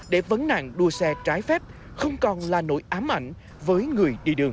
để vấn nạn đua xe trái phép không còn là nỗi ám ảnh với người đi đường